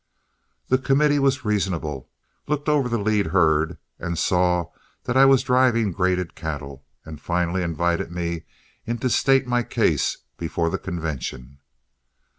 The committee was reasonable, looked over the lead herd, and saw that I was driving graded cattle, and finally invited me in to state my case before the convention.